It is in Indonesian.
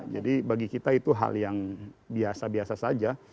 jadi bagi kita itu hal yang biasa biasa saja